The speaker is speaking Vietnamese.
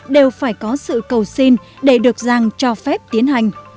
đều phải có sự cầu xin để được giang cho phép tiến hành